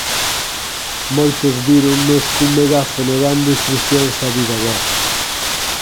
Moitos víronnos cun megáfono dando instrucións a viva voz.